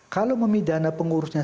kalau memidana pengurusnya